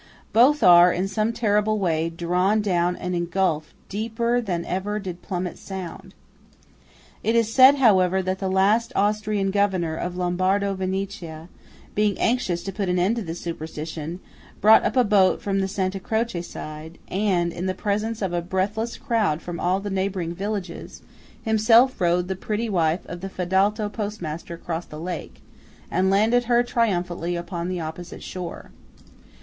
Both are, in some terrible way, drawn down and engulphed "deeper than did ever plummet sound." It is said, however, that the last Austrian Governor of Lombardo Venetia, being anxious to put an end to this superstition, brought up a boat from the Santa Croce side, and, in the presence of a breathless crowd from all the neighbouring villages, himself rowed the pretty wife of the Fadalto postmaster across the lake, and landed her triumphantly upon the opposite shore.